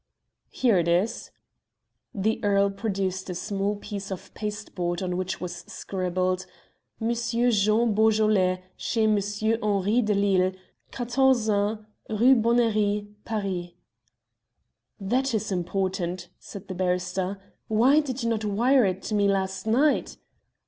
"Here it is." The earl produced a small piece of pasteboard on which was scribbled, "Monsieur Jean Beaujolais, chez Monsieur Henri de Lisle, 41, Rue Bonnerie, Paris." "That is important," said the barrister. "Why did you not wire it to me last night?"